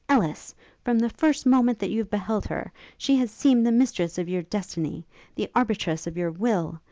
Ellis! From the first moment that you have beheld her, she has seemed the mistress of your destiny, the arbitress of your will.